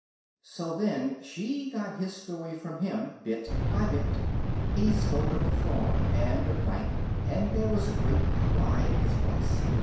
So then she got his story from him bit by bit. He spoke of the farm and of Dike, and there was a great pride in his voice.